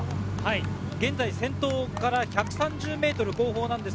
先頭から１３０ｍ後方です。